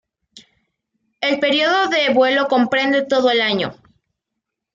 El periodo de vuelo comprende todo el año.